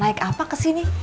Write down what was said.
naik apa ke sini